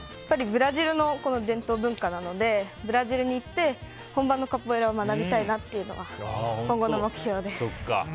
ブラジルの伝統文化なのでブラジルに行って本場のカポエイラを学びたいなというのが今後の目標です。